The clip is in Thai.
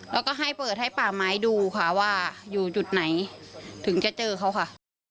แล้วก็ให้เปิดให้ป่าไม้ดูค่ะว่าอยู่จุดไหนถึงจะเจอเขาค่ะ